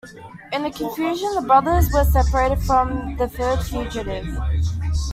In the confusion the brothers were separated from the third fugitive.